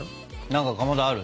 何かかまどある？